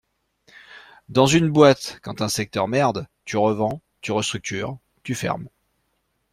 Dans une boîte quand un secteur merde, tu revends, tu restructures, tu fermes.